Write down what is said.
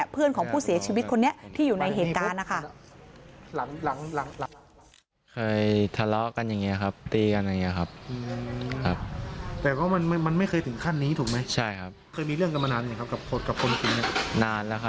เพื่อนของผู้เสียชีวิตคนนี้ที่อยู่ในเหตุการณ์นะคะ